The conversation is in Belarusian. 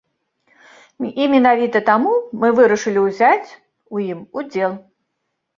І менавіта таму мы вырашылі ўзяць у ім удзел.